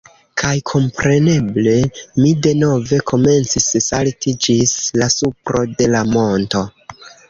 Kaj kompreneble, li denove komencis salti ĝis la supro de la monto.